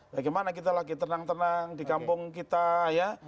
bagaimana kita lagi tenang tenang di kampung kita ya